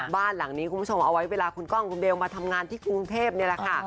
บ้านหลังนี้คุณผู้ชมเอาไว้เวลาคุณกล้องคุณเบลมาทำงานที่กรุงเทพนี่แหละค่ะ